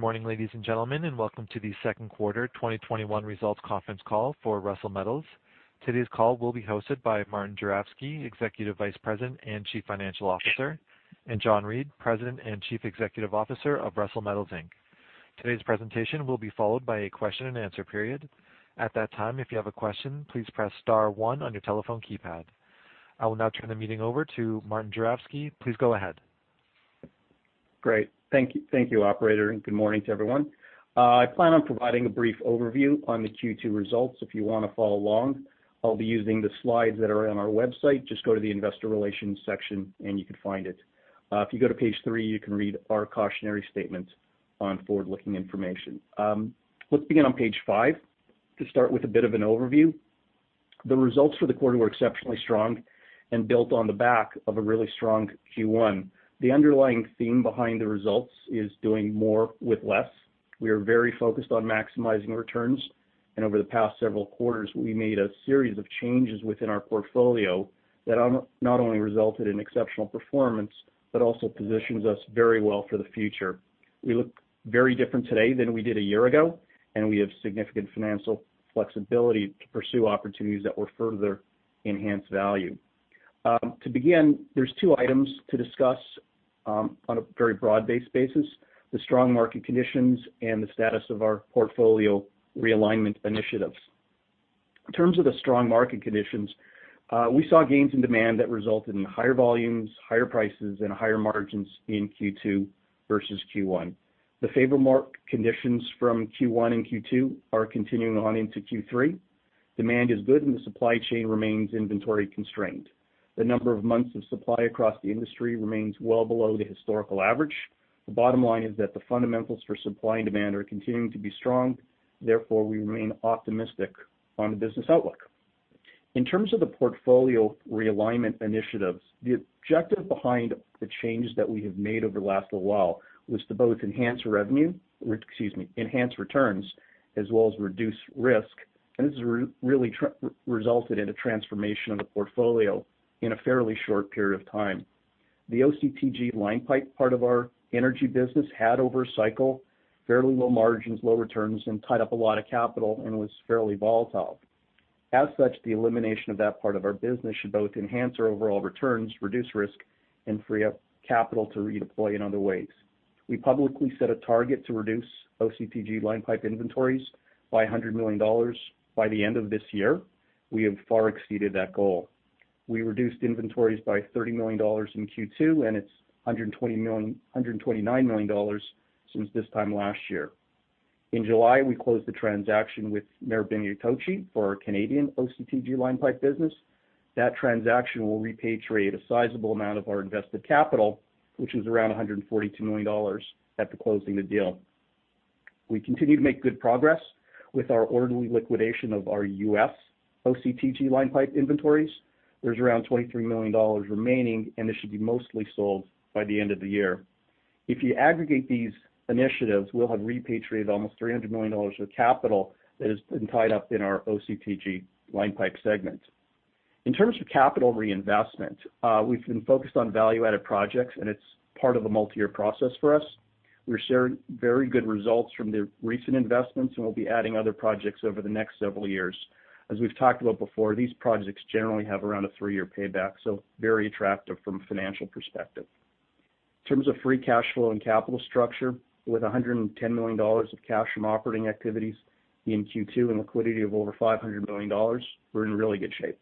Good morning, ladies and gentlemen, and welcome to the Second Quarter 2021 Results Conference Call for Russel Metals. Today's call will be hosted by Martin Juravsky, Executive Vice President and Chief Financial Officer, and John Reid, President and Chief Executive Officer of Russel Metals Inc. Today's presentation will be followed by a question-and-answer period. I will now turn the meeting over to Martin Juravsky. Please go ahead. Great. Thank you, operator, and good morning to everyone. I plan on providing a brief overview on the Q2 results. If you want to follow along, I'll be using the slides that are on our website. Just go to the investor relations section and you can find it. If you go to page three, you can read our cautionary statement on forward-looking information. Let's begin on page five to start with a bit of an overview. The results for the quarter were exceptionally strong and built on the back of a really strong Q1. The underlying theme behind the results is doing more with less. We are very focused on maximizing returns, and over the past several quarters, we made a series of changes within our portfolio that not only resulted in exceptional performance but also positions us very well for the future. We look very different today than we did a year ago, and we have significant financial flexibility to pursue opportunities that will further enhance value. To begin, there are two items to discuss on a very broad-based basis: the strong market conditions and the status of our portfolio realignment initiatives. In terms of the strong market conditions, we saw gains in demand that resulted in higher volumes, higher prices, and higher margins in Q2 versus Q1. The favorable market conditions from Q1 and Q2 are continuing on into Q3. Demand is good, and the supply chain remains inventory constrained. The number of months of supply across the industry remains well below the historical average. The bottom line is that the fundamentals for supply and demand are continuing to be strong, therefore, we remain optimistic on the business outlook. In terms of the portfolio realignment initiatives, the objective behind the changes that we have made over the last little while was to both enhance revenue, or excuse me, enhance returns, as well as reduce risk, and this has really resulted in a transformation of the portfolio in a fairly short period of time. The OCTG line pipe part of our energy business had, over a cycle, fairly low margins, low returns, tied up a lot of capital, and was fairly volatile. As such, the elimination of that part of our business should both enhance our overall returns, reduce risk, and free up capital to redeploy in other ways. We publicly set a target to reduce OCTG line pipe inventories by 100 million dollars by the end of this year. We have far exceeded that goal. We reduced inventories by 30 million dollars in Q2. It's 129 million since this time last year. In July, we closed the transaction with Meridia Tocci for our Canadian OCTG line pipe business. That transaction will repatriate a sizable amount of our invested capital, which is around 142 million dollars after closing the deal. We continue to make good progress with our orderly liquidation of our U.S. OCTG line pipe inventories. There's around 23 million dollars remaining. This should be mostly sold by the end of the year. If you aggregate these initiatives, we'll have repatriated almost 300 million dollars of capital that has been tied up in our OCTG line pipe segment. In terms of capital reinvestment, we've been focused on value-added projects, and it's part of a multi-year process for us. We're sharing very good results from the recent investments, and we'll be adding other projects over the next several years. As we've talked about before, these projects generally have around a three-year payback. Very attractive from a financial perspective. In terms of free cash flow and capital structure, with 110 million dollars of cash from operating activities in Q2 and liquidity of over 500 million dollars, we're in really good shape.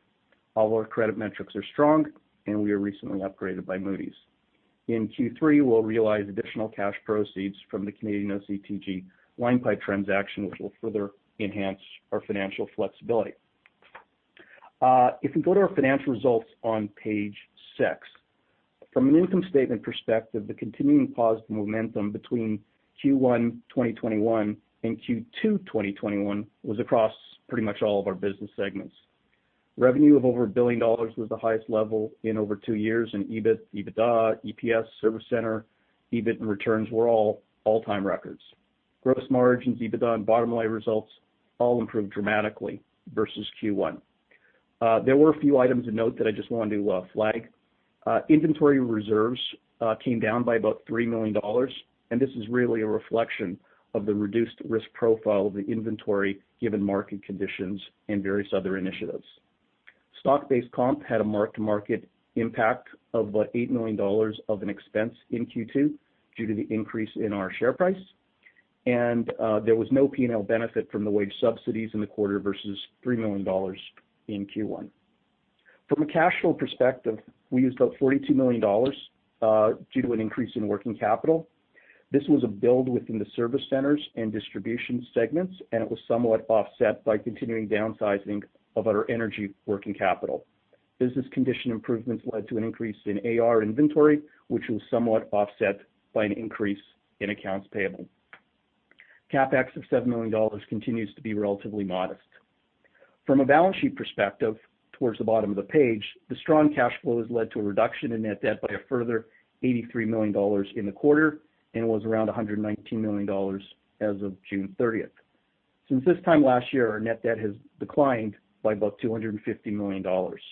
All of our credit metrics are strong, and we were recently upgraded by Moody's. In Q3, we'll realize additional cash proceeds from the Canadian OCTG line pipe transaction, which will further enhance our financial flexibility. If we go to our financial results on page six. From an income statement perspective, the continuing positive momentum between Q1 2021 and Q2 2021 was across pretty much all of our business segments. Revenue of over 1 billion dollars was the highest level in over two years. EBIT, EBITDA, EPS, service center, EBIT and returns were all all-time records. Gross margins, EBITDA, and bottom-line results all improved dramatically versus Q1. There were a few items of note that I just wanted to flag. Inventory reserves came down by about 3 million dollars. This is really a reflection of the reduced risk profile of the inventory given market conditions and various other initiatives. Stock-based comp had a mark-to-market impact of about 8 million dollars of an expense in Q2 due to the increase in our share price. There was no P&L benefit from the wage subsidies in the quarter versus 3 million dollars in Q1. From a cash flow perspective, we used up 42 million dollars due to an increase in working capital. This was a build within the service centers and distribution segments, and it was somewhat offset by the continuing downsizing of our energy working capital. Business condition improvements led to an increase in AR inventory, which was somewhat offset by an increase in accounts payable. CapEx of 7 million dollars continues to be relatively modest. From a balance sheet perspective, towards the bottom of the page, the strong cash flows led to a reduction in net debt by a further 83 million dollars in the quarter and were around 119 million dollars as of June 30th. Since this time last year, our net debt has declined by about 250 million dollars.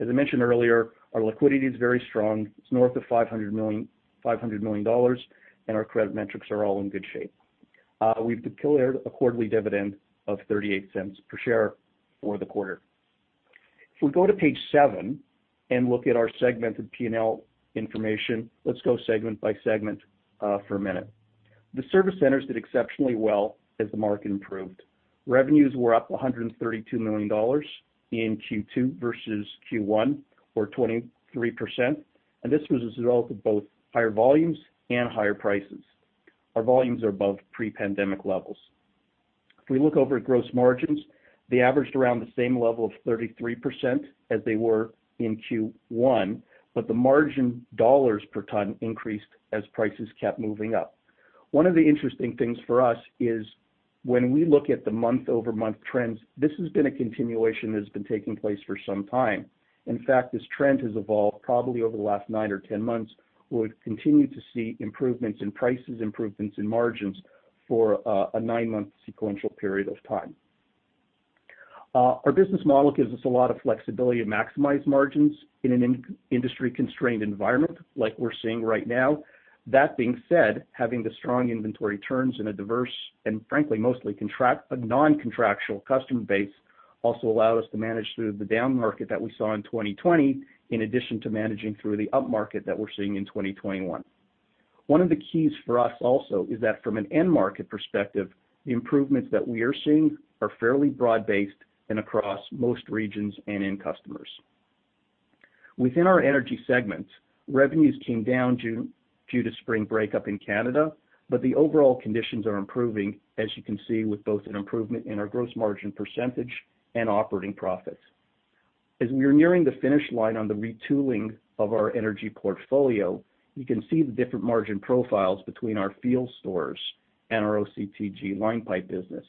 As I mentioned earlier, our liquidity is very strong. It's north of 500 million dollars, and our credit metrics are all in good shape. We've declared a quarterly dividend of 0.38 per share for the quarter. If we go to page seven and look at our segmented P&L information, let's go segment by segment for a minute. The service centers did exceptionally well as the market improved. Revenues were up 132 million dollars in Q2 versus Q1, or 23%, and this was a result of both higher volumes and higher prices. Our volumes are above pre-pandemic levels. If we look over at gross margins, they averaged around the same level of 33% as they were in Q1, but the margin dollars per ton increased as prices kept moving up. One of the interesting things for us is when we look at the month-over-month trends, this has been a continuation that has been taking place for some time. In fact, this trend has evolved probably over the last nine or 10 months. We'll continue to see improvements in prices and improvements in margins for a nine-month sequential period of time. Our business model gives us a lot of flexibility to maximize margins in an industry-constrained environment like we're seeing right now. That being said, having strong inventory turns in a diverse, and frankly, mostly non-contractual customer base also allowed us to manage through the down market that we saw in 2020, in addition to managing through the up market that we're seeing in 2021. One of the keys for us also is that from an end market perspective, the improvements that we are seeing are fairly broad-based and across most regions and end customers. Within our energy segments, revenues came down due to spring break-up in Canada, the overall conditions are improving, as you can see, with both an improvement in our gross margin percentage and operating profits. As we are nearing the finish line on the retooling of our energy portfolio, you can see the different margin profiles between our field stores and our OCTG line pipe business.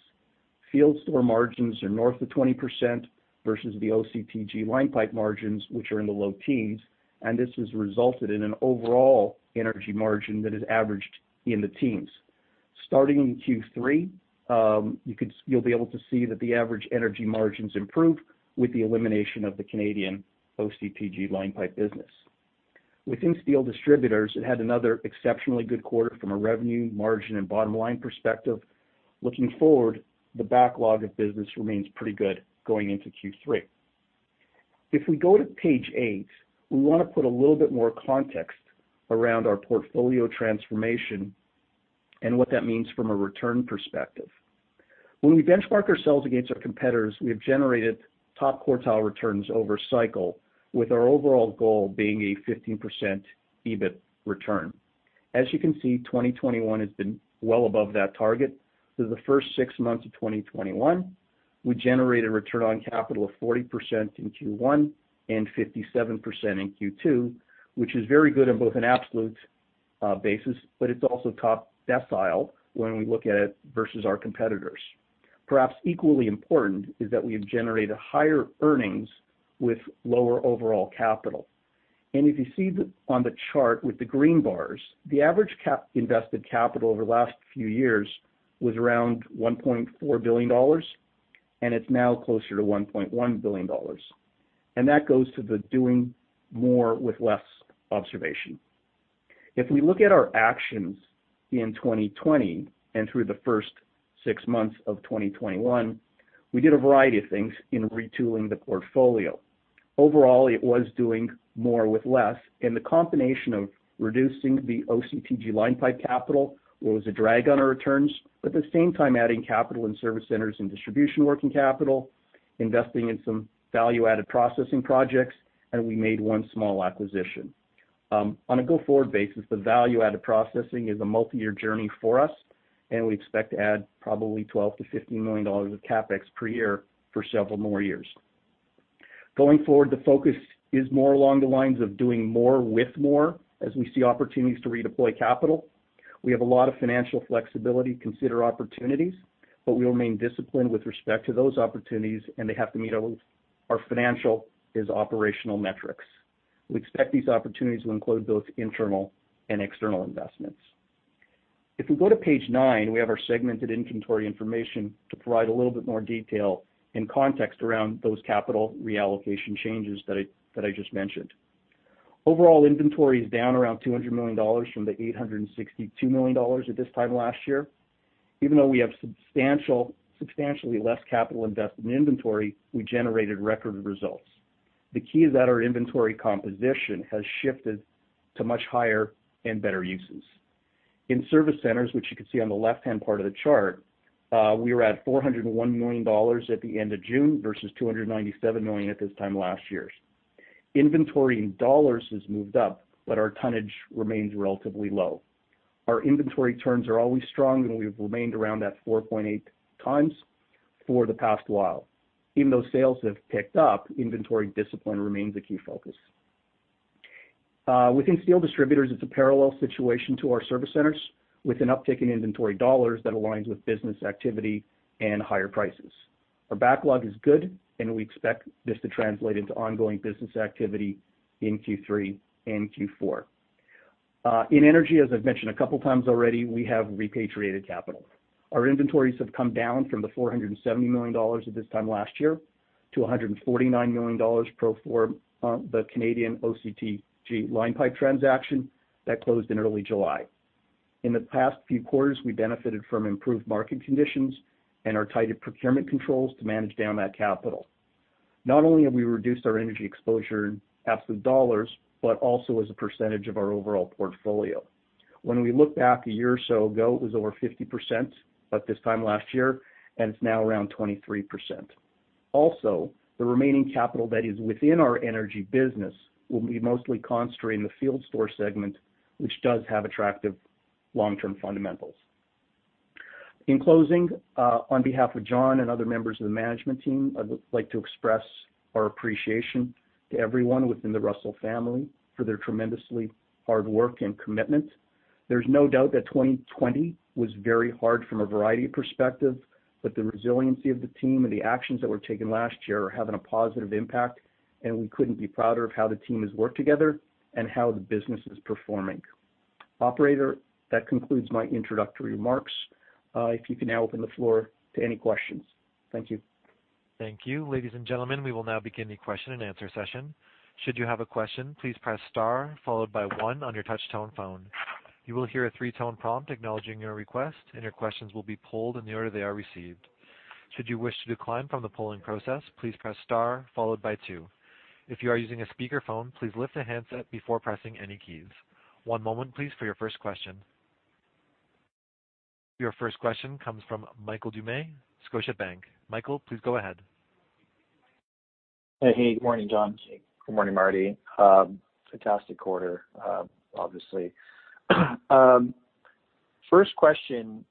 Field store margins are north of 20% versus the OCTG line pipe margins, which are in the low-teens, and this has resulted in an overall energy margin that has averaged in the teens. Starting in Q3, you'll be able to see that the average energy margins improve with the elimination of the Canadian OCTG line pipe business. Within steel distributors, it had another exceptionally good quarter from a revenue, margin, and bottom-line perspective. Looking forward, the backlog of business remains pretty good going into Q3. If we go to page eight, we want to put a little bit more context around our portfolio transformation and what that means from a return perspective. When we benchmark ourselves against our competitors, we have generated top quartile returns over the cycle, with our overall goal being a 15% EBIT return. As you can see, 2021 has been well above that target. Through the first six months of 2021, we generated a return on capital of 40% in Q1 and 57% in Q2, which is very good on an absolute basis, but it's also top decile when we look at it versus our competitors. Perhaps equally important is that we have generated higher earnings with lower overall capital. If you see on the chart with the green bars, the average invested capital over the last few years was around 1.4 billion dollars, and it's now closer to 1.1 billion dollars. That goes to the doing more with less observation. If we look at our actions in 2020 and through the first six months of 2021, we did a variety of things in retooling the portfolio. Overall, it was doing more with less, and the combination of reducing the OCTG line pipe capital was a drag on our returns, at the same time, adding capital in service centers and distribution working capital, investing in some value-added processing projects, and making one small acquisition. On a go-forward basis, the value-added processing is a multi-year journey for us, and we expect to add probably 12 million-15 million dollars of CapEx per year for several more years. Going forward, the focus is more along the lines of doing more with more as we see opportunities to redeploy capital. We have a lot of financial flexibility to consider opportunities, but we remain disciplined with respect to those opportunities, and they have to meet our financial and operational metrics. We expect these opportunities will include both internal and external investments. If we go to page nine, we have our segmented inventory information to provide a little bit more detail and context around those capital reallocation changes that I just mentioned. Overall inventory is down around 200 million dollars from the 862 million dollars at this time last year. Even though we have substantially less capital invested in inventory, we generated record results. The key is that our inventory composition has shifted to much higher and better uses. In service centers, which you can see on the left-hand part of the chart, we were at 401 million dollars at the end of June versus 297 million at this time last year. Inventory in CAD has moved up, but our tonnage remains relatively low. Our inventory turns are always strong, and we've remained around that 4.8x for the past while. Even though sales have picked up, inventory discipline remains a key focus. Within steel distributors, it's a parallel situation to our service centers, with an uptick in inventory CAD that aligns with business activity and higher prices. Our backlog is good, and we expect this to translate into ongoing business activity in Q3 and Q4. In energy, as I've mentioned a couple of times already, we have repatriated capital. Our inventories have come down from 470 million dollars at this time last year to 149 million dollars pro forma the Canadian OCTG line pipe transaction that closed in early July. In the past few quarters, we benefited from improved market conditions and our tighter procurement controls to manage down that capital. Not only have we reduced our energy exposure in absolute dollars, but also as a percentage of our overall portfolio. When we look back a year or so ago, it was over 50% at this time last year, and it's now around 23%. The remaining capital that is within our energy business will be mostly concentrated in the field store segment, which does have attractive long-term fundamentals. In closing, on behalf of John and other members of the management team, I'd like to express our appreciation to everyone within the Russel family for their tremendously hard work and commitment. There's no doubt that 2020 was very hard from a variety of perspectives, but the resiliency of the team and the actions that were taken last year are having a positive impact, and we couldn't be prouder of how the team has worked together and how the business is performing. Operator, that concludes my introductory remarks. If you can, now open the floor to any questions. Thank you. Thank you. Ladies and gentlemen, we will now begin the question-and-answer session. Should you have a question, please press the star followed by one on your touch-tone phone. You will hear a three-tone prompt acknowledging your request, and your questions will be polled in the order they are received. Should you wish to decline from the polling process, please press the star followed by two. If you are using a speakerphone, please lift the handset before pressing any keys. One moment, please, for your first question. Your first question comes from Michael Doumet, Scotiabank. Michael, please go ahead. Hey. Good morning, John. Good morning, Martin. Fantastic quarter, obviously. First question,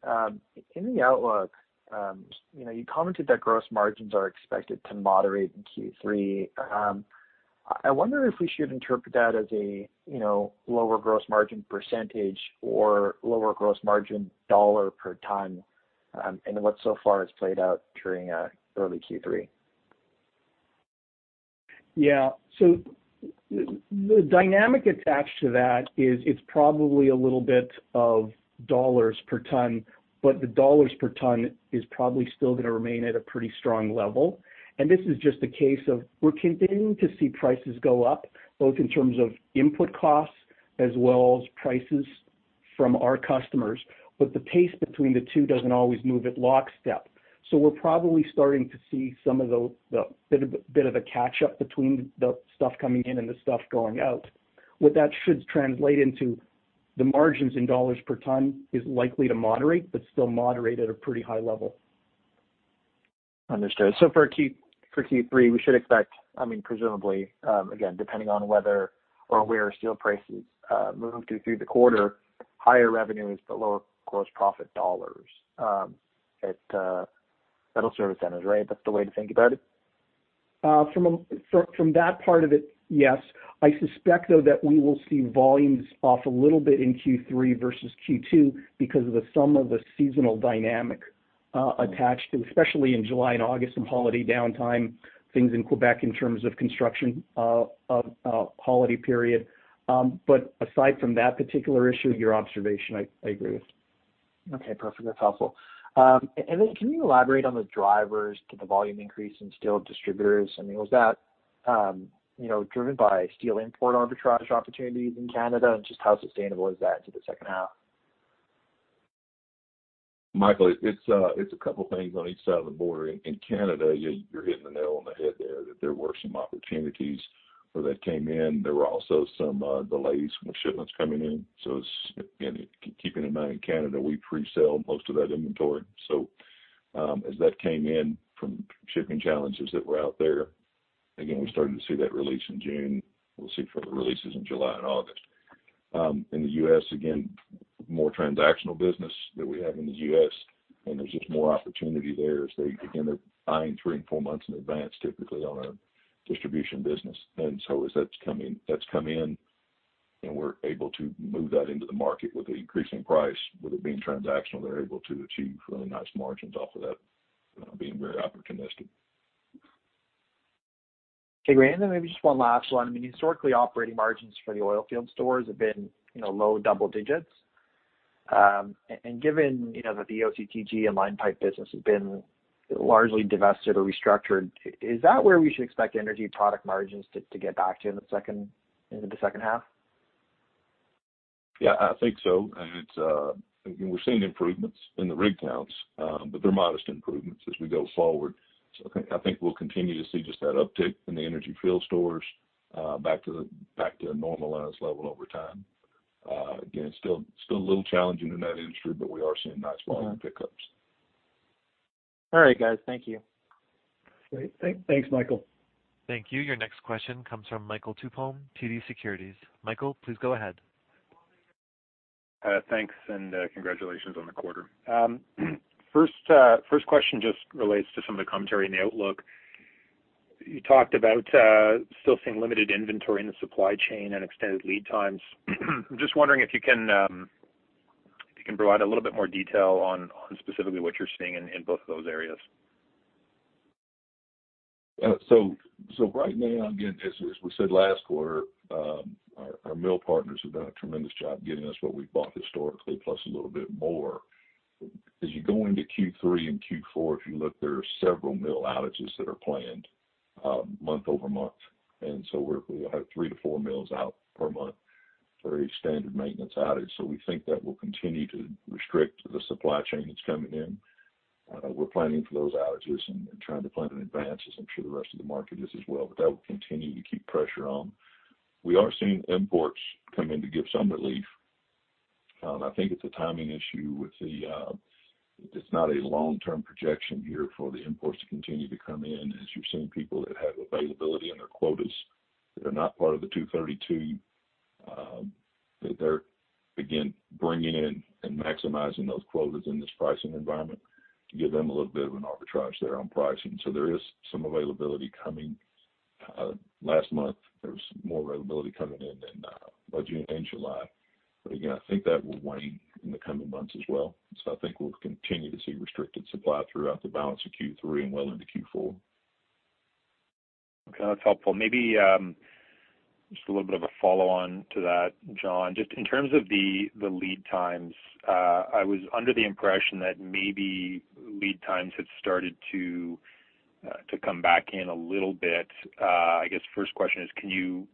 in the outlook, you commented that gross margins are expected to moderate in Q3. I wonder if we should interpret that as a lower gross margin percentage or lower gross margin dollars per ton, and what so far has played out during early Q3? Yeah. The dynamic attached to that is it's probably a little bit of dollars per ton, but the dollars per ton is probably still going to remain at a pretty strong level. This is just a case of our continuing to see prices go up, both in terms of input costs as well as prices from our customers. The pace between the two doesn't always move at lockstep. We're probably starting to see a bit of a catch-up between the stuff coming in and the stuff going out. What that should translate into, the margins in dollars per ton, is likely to moderate, but still moderate at a pretty high level. Understood. For Q3, we should expect, presumably, again, depending on whether or where steel prices move through the quarter, higher revenues but lower gross profit dollars at metal service centers, right? That's the way to think about it? From that part of it, yes. I suspect, though, that we will see volumes off a little bit in Q3 versus Q2 because of the sum of the seasonal dynamic attached, especially in July and August and holiday downtime, things in Quebec in terms of construction of holiday period. Aside from that particular issue, I agree with your observation. Okay, perfect. That's helpful. Can you elaborate on the drivers of the volume increase in steel distributors? Was that driven by steel import arbitrage opportunities in Canada? Just how sustainable is that into the second half? Michael, it's a couple of things on each side of the border. In Canada, you're hitting the nail on the head there, that there were some opportunities where that came in. There were also some delays from shipments coming in. Keeping in mind, in Canada, we pre-sell most of that inventory. As that came in from shipping challenges that were out there, again, we're starting to see that release in June. We'll see further releases in July and August. In the U.S., again, more transactional business that we have in the U.S., there's just more opportunity there as they, again, they're buying three and four months in advance, typically, on a distribution business. As that's come in and we're able to move that into the market with the increasing price, with it being transactional, they're able to achieve really nice margins off of that, being very opportunistic. Okay, great. Maybe just the last one. Historically, operating margins for the oilfield stores have been low-double-digits. Given that the OCTG and line pipe businesses have been largely divested or restructured, is that where we should expect energy product margins to get back to in the second half? Yeah, I think so. We're seeing improvements in the rig counts, but they're modest improvements as we go forward. I think we'll continue to see just that uptick in the energy field stores back to a normalized level over time. Again, still a little challenging in that industry, but we are seeing nice volume pickups. All right, guys. Thank you. Great. Thanks, Michael. Thank you. Your next question comes from Michael Tupholme, TD Securities. Michael, please go ahead. Thanks. Congratulations on the quarter. First question just relates to some of the commentary in the outlook. You talked about still seeing limited inventory in the supply chain and extended lead times. I'm just wondering if you can provide a little bit more detail on specifically what you're seeing in both of those areas? Right now, again, as we said last quarter, our mill partners have done a tremendous job getting us what we've bought historically plus a little bit more. As you go into Q3 and Q4, if you look, there are several mill outages that are planned month-over-month. We'll have three, four mills out per month for a standard maintenance outage. We think that will continue to restrict the supply chain that's coming in. We're planning for those outages and trying to plan in advance, as I'm sure the rest of the market is as well, but that will continue to keep pressure on. We are seeing imports come in to give some relief. I think it's a timing issue. It's not a long-term projection here for the imports to continue to come in. As you're seeing people that have availability in their quotas that are not part of the 232, they're, again, bringing in and maximizing those quotas in this pricing environment to give them a little bit of an arbitrage there on pricing. There is some availability coming. Last month, there was more availability coming in than by June and July. Again, I think that will wane in the coming months as well. I think we'll continue to see restricted supply throughout the balance of Q3 and well into Q4. Okay. That's helpful. Maybe just a little bit of a follow-on to that, John. Just in terms of the lead times, I was under the impression that maybe lead times had started to come back in a little bit. I guess the first question is, can you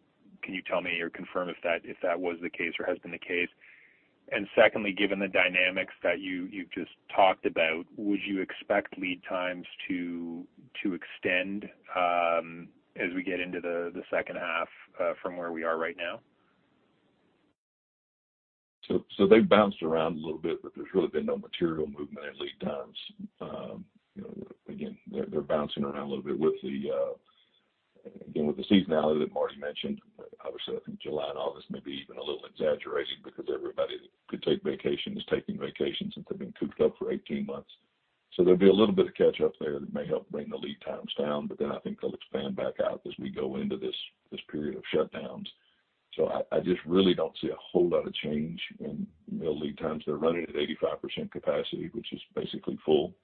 tell me or confirm if that was the case or has been the case? Secondly, given the dynamics that you've just talked about, would you expect lead times to extend as we get into the second half from where we are right now? They've bounced around a little bit, but there's really been no material movement in lead times. Again, they're bouncing around a little bit with the seasonality that Marty mentioned. Obviously, I think July and August may be even a little exaggerated because everybody that could take vacation is taking vacation since they've been cooped up for 18 months. There'll be a little bit of catch-up there that may help bring the lead times down, but then I think they'll expand back out as we go into this period of shutdowns. I just really don't see a whole lot of change in mill lead times. They're running at 85% capacity, which is basically full.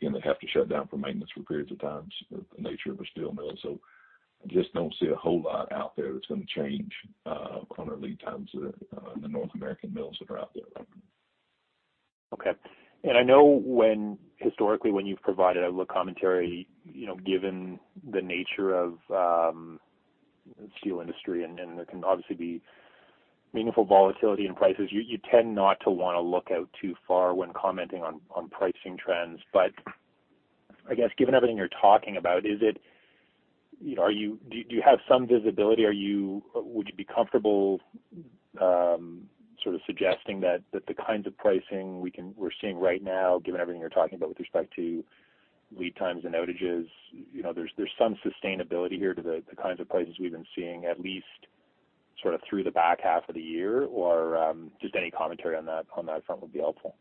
Again, they have to shut down for periods of time, the nature of a steel mill. I just don't see a whole lot out there that's going to change on our lead times in the North American mills that are out there. Okay. I know historically, when you've provided a little commentary, given the nature of the steel industry, and there can obviously be meaningful volatility in prices, you tend not to want to look out too far when commenting on pricing trends. I guess given everything you're talking about, do you have some visibility? Would you be comfortable suggesting that the kinds of pricing we're seeing right now, given everything you're talking about with respect to lead times and outages, there's some sustainability here to the kinds of prices we've been seeing, at least through the back half of the year? Just any commentary on that front would be helpful.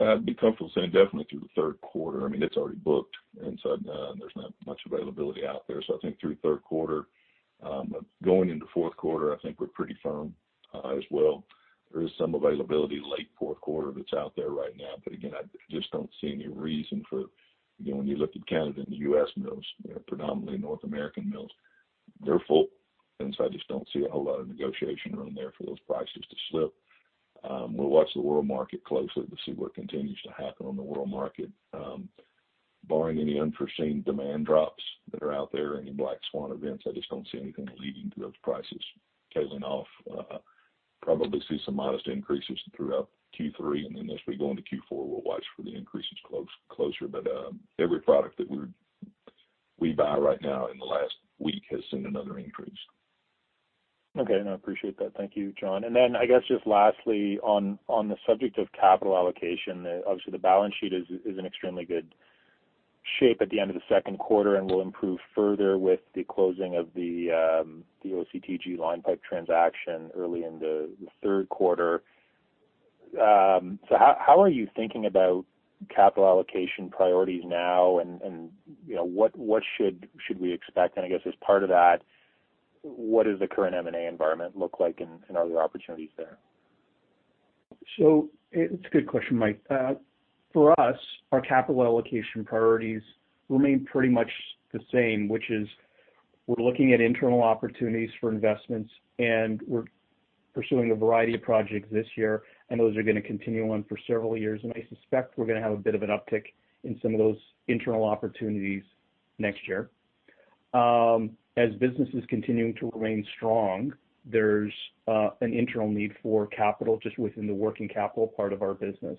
I'd be comfortable saying definitely through the third quarter. It's already booked, and so there's not much availability out there. I think through the third quarter. Going into fourth quarter, I think we're pretty firm as well. There is some availability late in the fourth quarter that's out there right now, but again, I just don't see any reason for When you look at Canada and the U.S. mills, predominantly North American mills, they're full, and so I just don't see a whole lot of negotiation room there for those prices to slip. We'll watch the world market closely to see what continues to happen on the world market. Barring any unforeseen demand drops that are out there or any black swan events, I just don't see anything leading to those prices tailing off. Probably see some modest increases throughout Q3, and then as we go into Q4, we'll watch for the increases closer. Every product that we buy right now in the last week has seen another increase. Okay. No, I appreciate that. Thank you, John. I guess just lastly, on the subject of capital allocation, obviously the balance sheet is in extremely good shape at the end of the second quarter and will improve further with the closing of the OCTG line pipe transaction early in the third quarter. How are you thinking about capital allocation priorities now, and what should we expect? I guess as part of that, what does the current M&A environment look like, and are there opportunities there? It's a good question, Mike. For us, our capital allocation priorities remain pretty much the same, which is we're looking at internal opportunities for investments, and we're pursuing a variety of projects this year, and those are going to continue on for several years, and I suspect we're going to have a bit of an uptick in some of those internal opportunities next year. As business is continuing to remain strong, there's an internal need for capital just within the working capital part of our business.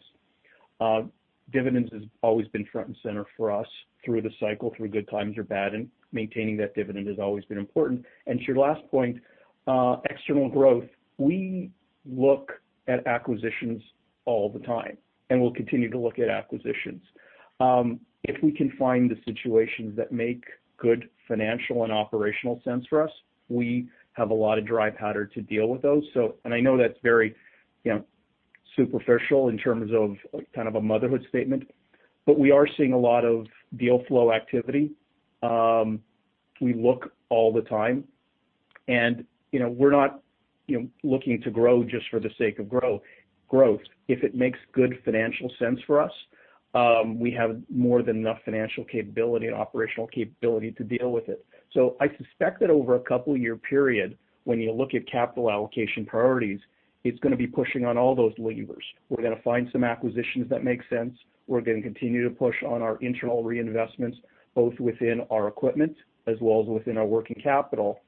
Dividends have always been front and center for us through the cycle, through good times or bad, and maintaining that dividend has always been important. To your last point, external growth, we look at acquisitions all the time, and we'll continue to look at acquisitions. If we can find the situations that make good financial and operational sense for us, we have a lot of dry powder to deal with those. I know that's very superficial in terms of kind of a motherhood statement, we are seeing a lot of deal flow activity. We look all the time. We're not looking to grow just for the sake of growth. If it makes good financial sense for us, we have more than enough financial capability and operational capability to deal with it. I suspect that over a couple of years, when you look at capital allocation priorities, it's going to be pushing on all those levers. We're going to find some acquisitions that make sense. We're going to continue to push on our internal reinvestments, both within our equipment as well as within our working capital,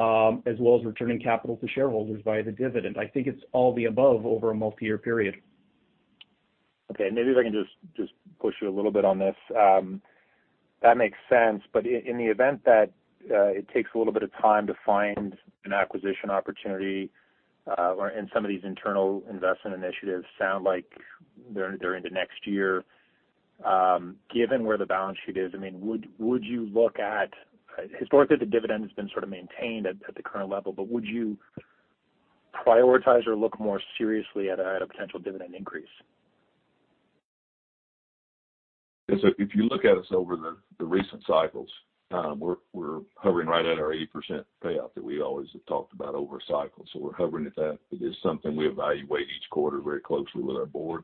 as well as returning capital to shareholders via the dividend. I think it's all the above over a multi-year period. Maybe if I can just push you a little bit on this. That makes sense. In the event that it takes a little bit of time to find an acquisition opportunity, and some of these internal investment initiatives sound like they're into next year. Given where the balance sheet is, historically, the dividend has been sort of maintained at the current level, would you prioritize or look more seriously at a potential dividend increase? If you look at us over the recent cycles, we're hovering right at our 80% payout that we always have talked about over a cycle. We're hovering at that. It is something we evaluate each quarter very closely with our board.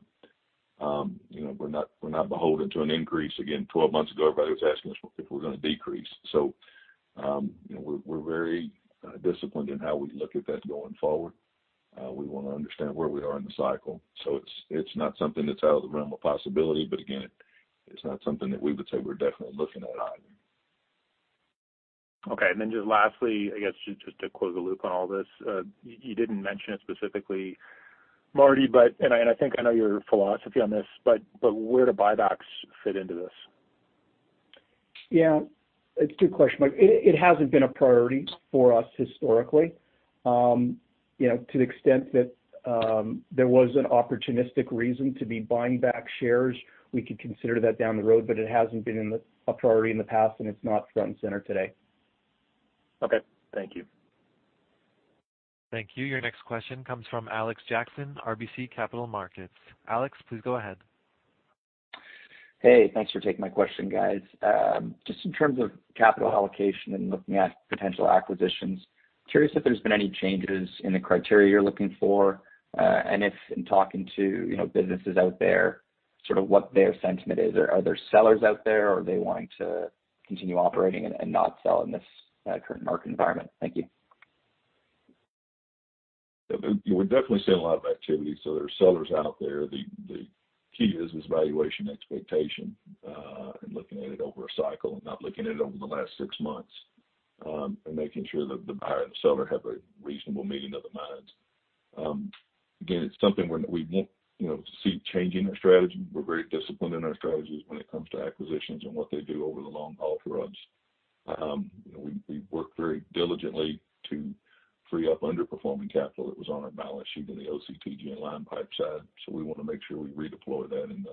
We're not beholden to an increase. Again, 12 months ago, everybody was asking us if we're going to decrease. We're very disciplined in how we look at that going forward. We want to understand where we are in the cycle. It's not something that's out of the realm of possibility, but again, it's not something that we would say we're definitely looking at either. Okay, just lastly, I guess, just to close the loop on all this. You didn't mention it specifically, Marty, and I think I know your philosophy on this, but where do buybacks fit into this? Yeah. It's a good question. It hasn't been a priority for us historically. To the extent that there was an opportunistic reason to be buying back shares, we could consider that down the road, but it hasn't been a priority in the past, and it's not front and center today. Okay. Thank you. Thank you. Your next question comes from Alexander Jackson, RBC Capital Markets. Alex, please go ahead. Hey, thanks for taking my question, guys. Just in terms of capital allocation and looking at potential acquisitions, I'm curious if there have been any changes in the criteria you're looking for? If in talking to businesses out there, sort of what their sentiment is. Are there sellers out there, or are they wanting to continue operating and not sell in this current market environment? Thank you. We're definitely seeing a lot of activity, so there are sellers out there. The key is valuation expectation, and looking at it over a cycle and not looking at it over the last six months, and making sure that the buyer and seller have a reasonable meeting of the minds. Again, it's something where we won't see changing our strategy. We're very disciplined in our strategies when it comes to acquisitions and what they do over the long haul for us. We work very diligently to free up underperforming capital that was on our balance sheet in the OCTG and line pipe side. We want to make sure we redeploy that in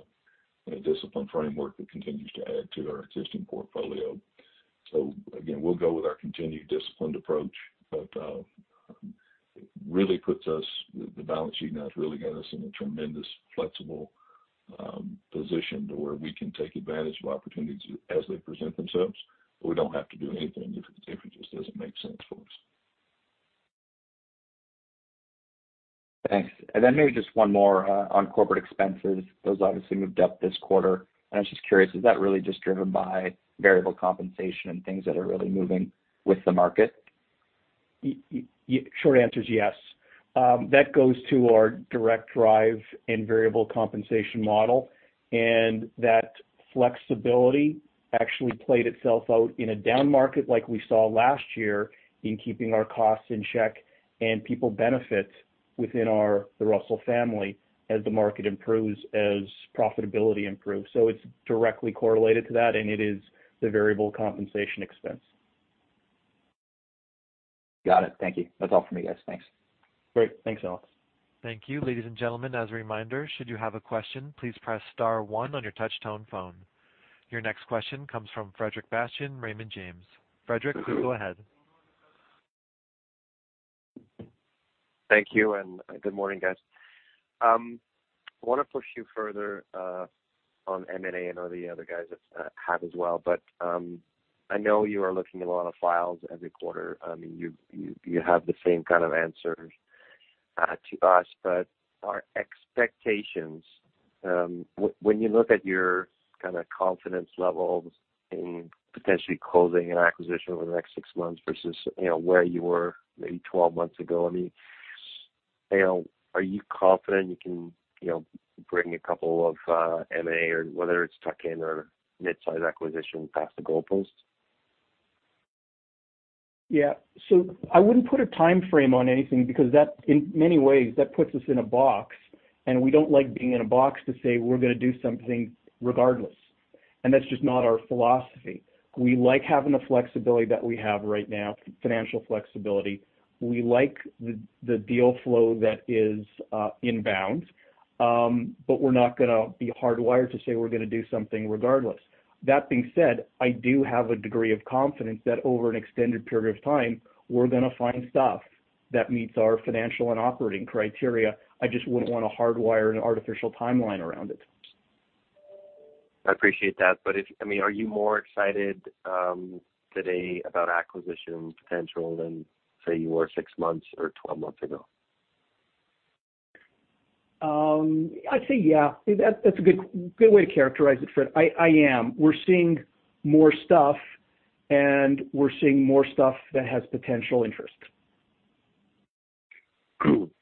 a disciplined framework that continues to add to our existing portfolio. Again, we'll go with our continued disciplined approach, but the balance sheet now has really got us in a tremendously flexible position to where we can take advantage of opportunities as they present themselves, but we don't have to do anything if it just doesn't make sense for us. Thanks. Maybe just one more on corporate expenses. Those obviously moved up this quarter. I was just curious, is that really just driven by variable compensation and things that are really moving with the market? The short answer is yes. That goes to our direct drive and variable compensation model, and that flexibility actually played itself out in a down market like we saw last year in keeping our costs in check and people benefits within the Russel family as the market improves, as profitability improves. It's directly correlated to that, and it is the variable compensation expense. Got it. Thank you. That's all for me, guys. Thanks. Great. Thanks, Alex. Thank you. Ladies and gentlemen, as a reminder, should you have a question, please press star one on your touch-tone phone. Your next question comes from Frederic Bastien, Raymond James. Frederic, please go ahead. Thank you. Good morning, guys. I want to push you further on M&A. I know the other guys have as well, I know you are looking at a lot of files every quarter. You have the same kind of answers to us. Our expectations, when you look at your kind of confidence levels in potentially closing an acquisition over the next six months versus where you were maybe 12 months ago, are you confident you can bring a couple of M&A, whether it's tuck-in or mid-size acquisitions, past the goalpost? I wouldn't put a timeframe on anything because in many ways, that puts us in a box, and we don't like being in a box to say we're going to do something regardless. That's just not our philosophy. We like having the flexibility that we have right now, financial flexibility. We like the deal flow that is inbound. We're not going to be hardwired to say we're going to do something regardless. That being said, I do have a degree of confidence that over an extended period of time, we're going to find stuff that meets our financial and operating criteria. I just wouldn't want to hardwire an artificial timeline around it. I appreciate that. Are you more excited today about acquisition potential than, say, you were six months or 12 months ago? I'd say yeah. That's a good way to characterize it, Fred. I am. We're seeing more stuff, and we're seeing more stuff that has potential interest.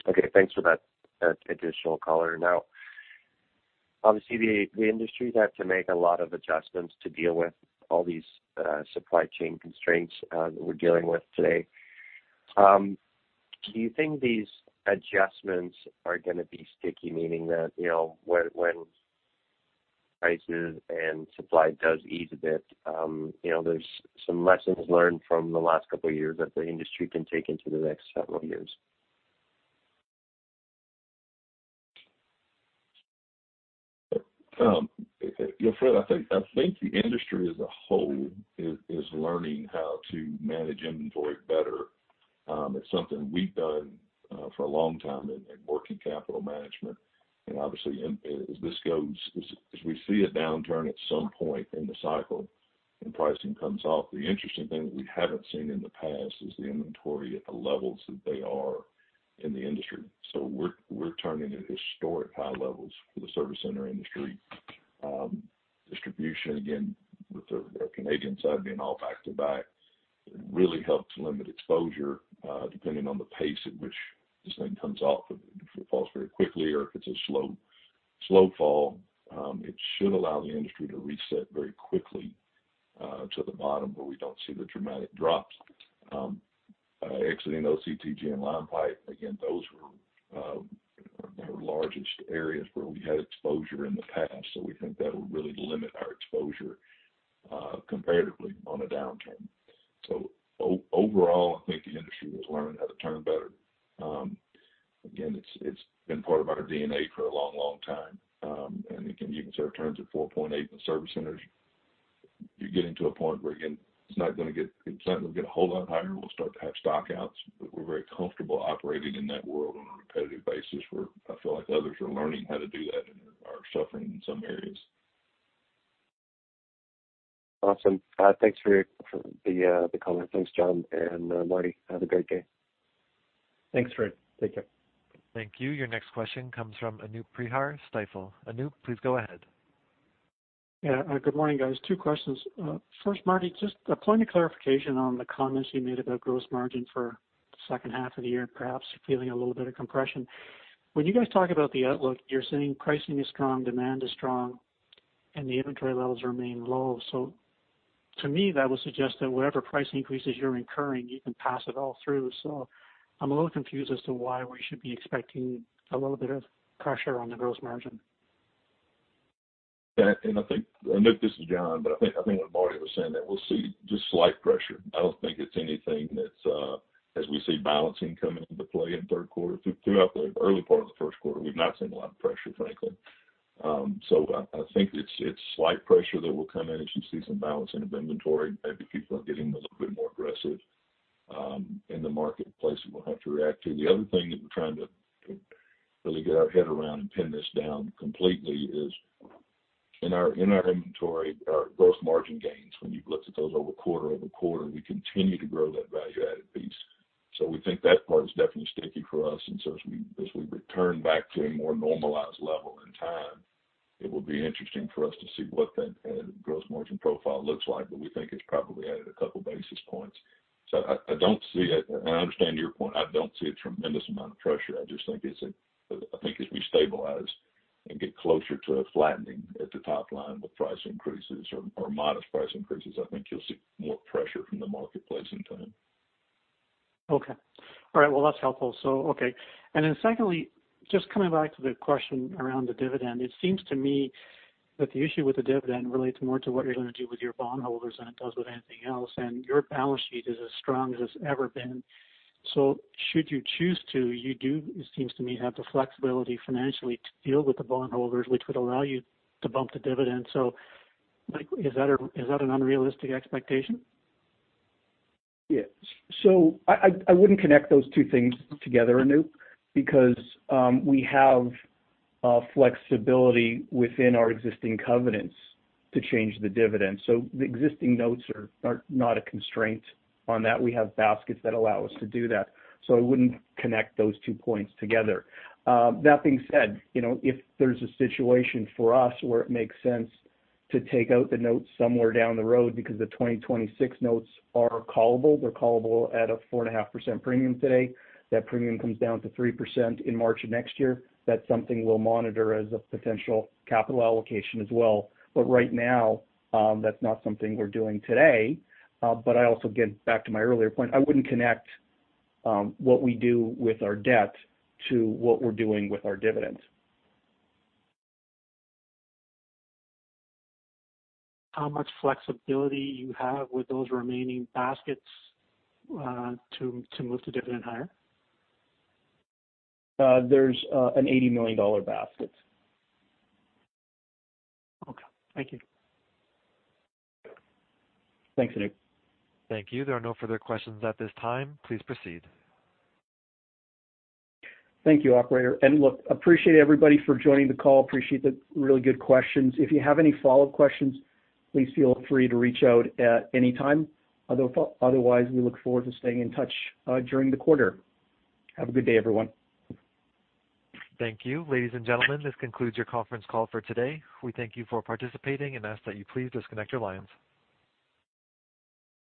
Okay. Thanks for that additional color. Obviously, the industry has had to make a lot of adjustments to deal with all these supply chain constraints that we're dealing with today. Do you think these adjustments are going to be sticky, meaning that when prices and supply do ease a bit, there are some lessons learned from the last couple of years that the industry can take into the next several years? Fred, I think the industry as a whole is learning how to manage inventory better. It's something we've done for a long time in working capital management. Obviously, as we see a downturn at some point in the cycle and pricing comes off, the interesting thing that we haven't seen in the past is the inventory at the levels that they are in the industry. We're turning at historic high levels for the service center industry. Distribution, again, with the Canadian side being all backed by, really helped to limit exposure, depending on the pace at which this thing comes off. If it falls very quickly or if it's a slow fall, it should allow the industry to reset very quickly to the bottom, where we don't see the dramatic drops. Exiting OCTG and line pipe, again, those were our largest areas where we had exposure in the past. We think that will really limit our exposure comparatively on a downturn. Overall, I think the industry is learning how to turn better. Again, it's been part of our DNA for a long time, and you can see our turns at 4.8 in service centers. You're getting to a point where, again, it's not going to get a whole lot higher. We'll start to have stockouts, but we're very comfortable operating in that world on a repetitive basis, where I feel like others are learning how to do that and are suffering in some areas. Awesome. Thanks for the color. Thanks, John and Marty. Have a great day. Thanks, Fred. Take care. Thank you. Your next question comes from Anoop Prihar, Stifel. Anoop, please go ahead. Yeah. Good morning, guys. two questions. First, Marty, just a point of clarification on the comments you made about gross margin for the second half of the year, perhaps feeling a little bit of compression. When you guys talk about the outlook, you're saying pricing is strong, demand is strong, and the inventory levels remain low. To me, that would suggest that whatever price increases you're incurring, you can pass it all through. I'm a little confused as to why we should be expecting a little bit of pressure on the gross margin? Anoop, this is John. I think what Marty was saying is that we'll see just slight pressure. I don't think it's anything that we see balancing come into play in the third quarter. Throughout the early part of the first quarter, we've not seen a lot of pressure, frankly. I think it's slight pressure that will come in as you see some balancing of inventory. Maybe people are getting a little bit more aggressive in the marketplace, and we'll have to react to it. The other thing that we're trying to really get our head around and pin this down completely is in our inventory, our gross margin gains. When you've looked at those over the quarter, we continue to grow that value-added piece. We think that part is definitely sticky for us. As we return back to a more normalized level in time, it will be interesting for us to see what that gross margin profile looks like. We think it's probably added a couple basis points. I understand your point. I don't see a tremendous amount of pressure. I just think as we stabilize and get closer to a flattening at the top line with price increases or modest price increases, I think you'll see more pressure from the marketplace in time. Okay. All right. Well, that's helpful. Okay. Secondly, just coming back to the question around the dividend, it seems to me that the issue with the dividend relates more to what you're going to do with your bond holders than it does with anything else. Your balance sheet is as strong as it's ever been. Should you choose to, you do, it seems to me, have the flexibility financially to deal with the bondholders, which would allow you to bump the dividend. Is that an unrealistic expectation? I wouldn't connect those two things together, Anoop, because we have flexibility within our existing covenants to change the dividend. The existing notes are not a constraint on that. We have baskets that allow us to do that. I wouldn't connect those two points together. That being said, if there's a situation for us where it makes sense to take out the notes somewhere down the road because the 2026 notes are callable, they're callable at a 4.5% premium today. That premium comes down to 3% in March of next year. That's something we'll monitor as a potential capital allocation as well. Right now, that's not something we're doing today. I also get back to my earlier point: I wouldn't connect what we do with our debt to what we're doing with our dividend. How much flexibility do you have with those remaining baskets to move the dividend higher? There's a CAD 80 million basket. Okay. Thank you. Thanks, Anoop. Thank you. There are no further questions at this time. Please proceed. Thank you, operator. Look, appreciate everybody for joining the call. Appreciate the really good questions. If you have any follow-up questions, please feel free to reach out at any time. Otherwise, we look forward to staying in touch during the quarter. Have a good day, everyone. Thank you. Ladies and gentlemen, this concludes your conference call for today. We thank you for participating and ask that you please disconnect your lines.